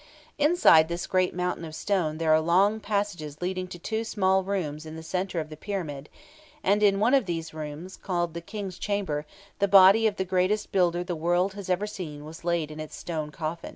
Inside this great mountain of stone there are long passages leading to two small rooms in the centre of the Pyramid; and in one of these rooms, called "the King's Chamber," the body of the greatest builder the world has ever seen was laid in its stone coffin.